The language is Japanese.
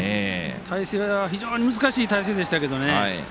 体勢が非常に難しい体勢でしたけどね。